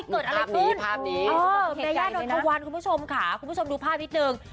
ขอบคุณผู้ชมดูภาพนิดนึง